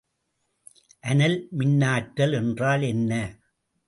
அனல் மின்னாற்றல் என்றால் என்ன?